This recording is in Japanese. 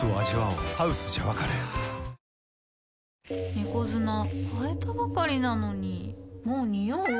猫砂替えたばかりなのにもうニオう？